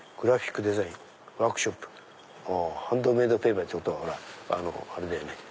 ハンドメイドペーパーっていうとあれだよね。